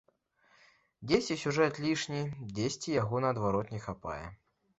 Дзесьці сюжэт лішні, дзесьці яго наадварот не хапае.